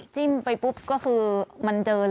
จิ้มไปปุ๊บก็คือมันเจอเลย